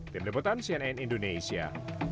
tim deputan cnn indonesia